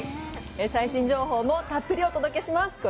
最新情報もたっぷりお届けします。